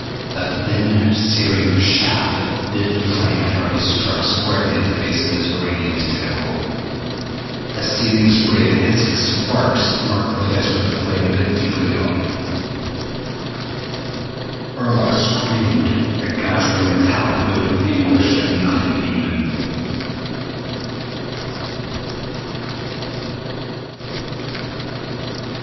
That thin searing shaft of vivid flame had already struck squarely at the base of the Xoranian's tentacle. A seething spray of hissing sparks marked the place where the flame bit deeply home. Arlok screamed, a ghastly metallic note of anguish like nothing human.